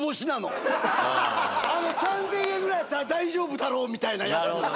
３０００円ぐらいだったら大丈夫だろう！みたいなやつ。